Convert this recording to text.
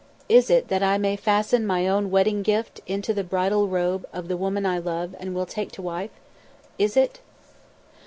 "Is it that I may fasten my own wedding gift into the bridal robe of the woman I love and will take to wife is it?"